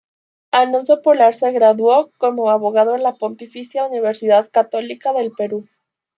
Alonso Polar se graduó como abogado en la Pontificia Universidad Católica del Perú.